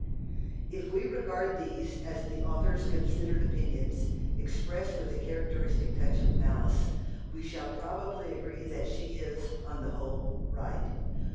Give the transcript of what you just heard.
If we regard these as the author's considered opinions, expressed with a characteristic touch of malice, we shall probably agree that she is, on the whole, right.